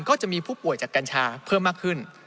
ก็จะมีผู้ป่วยจากกัญชาเพิ่มมากขึ้น